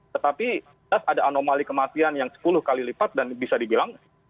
tetapi jelas ada anomali kematian yang sepuluh kali lipat dan bisa dibilang